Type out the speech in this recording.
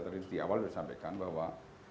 tadi di awal sudah disampaikan bahwa